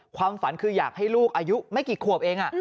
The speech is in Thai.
ความฝันคืออยากให้ลูกอายุไม่กี่ขวบเอง